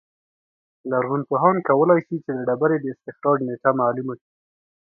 لرغونپوهان کولای شي چې د ډبرې د استخراج نېټه معلومه کړي